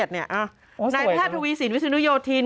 โอ้โฮสวยจริงนะครับนายแททย์ทวีสินวิสุนุโยธิน